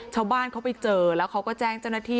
ชาวบ้านเขาไปเจอแล้วเขาก็แจ้งเจ้าหน้าที่